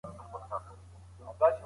دغه کوچنی چي دی ډېر په اسانۍ سره خاندي.